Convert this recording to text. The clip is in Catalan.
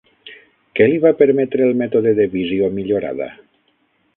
Què li va permetre el mètode de «visió millorada»?